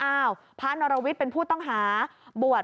พระนรวิทย์เป็นผู้ต้องหาบวช